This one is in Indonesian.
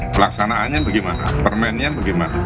pelaksanaannya bagaimana permennya bagaimana